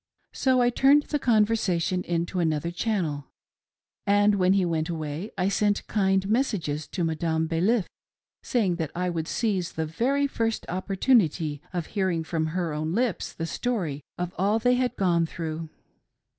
So I turned the conversation into another channel, and when he went away I sent kind messages to Madame Baliff, saying that I would seize the very first opportunity of hearing from her own lips the story of all they had gone through.